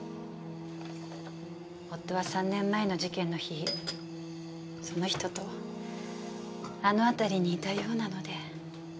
夫は３年前の事件の日その人とあの辺りにいたようなので。